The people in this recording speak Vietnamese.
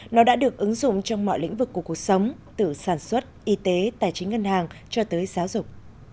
nó đã được ứng dụng trong mọi lĩnh vực của cuộc sống từ sản xuất y tế tài chính ngân hàng cho tới giáo dục